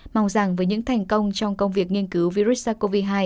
mong rằng với những thành công trong công việc nghiên cứu virus sars cov hai